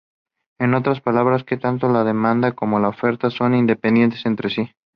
En otras palabras, que tanto la demanda como la oferta son independientes entre sí.